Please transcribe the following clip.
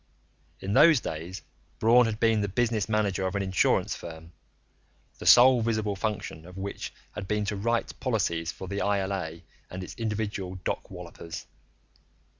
In those days, Braun had been the business manager of an insurance firm, the sole visible function of which had been to write policies for the ILA and its individual dock wallopers.